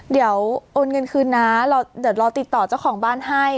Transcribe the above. เดี๋ยวโอนเงินคืนนะเดี๋ยวรอติดต่อเจ้าของบ้านให้